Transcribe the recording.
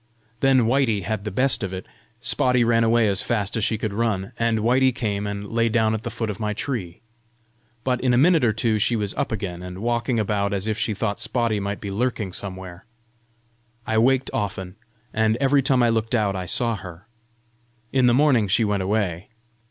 Then Whitey had the best of it; Spotty ran away as fast as she could run, and Whitey came and lay down at the foot of my tree. But in a minute or two she was up again, and walking about as if she thought Spotty might be lurking somewhere. I waked often, and every time I looked out, I saw her. In the morning she went away."